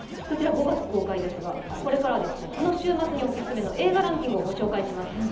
そちら５月公開ですが、これからはこの週末にオススメの映画ランキングを御紹介します。